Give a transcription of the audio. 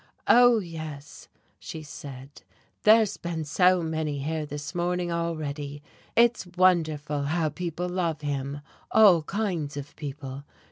"Oh, yes," she said, "there's been so many here this morning already. It's wonderful how people love him, all kinds of people.